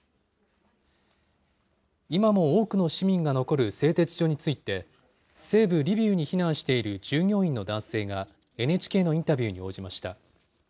今も多くの市民が残る製鉄所について、西部リビウに避難している従業員の男性が、ＮＨＫのインタビューに応じました。